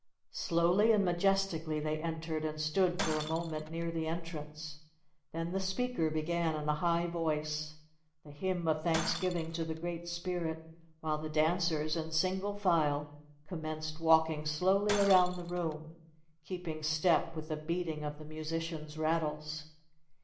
Slowly and majestically they entered, and stood for a moment near the entrance. Then the speaker began in a high voice, the hymn of thanksgiving to the Great Spirit, while the dancers, in single file, commenced walking slowly around the room, keeping step with the beating of the musicians' rattles.